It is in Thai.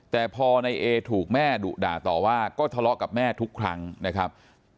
แต่พอในเอถูกแม่ดุด่าต่อว่าก็ทะเลาะกับแม่ทุกครั้งนะครับ